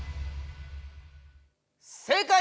正解！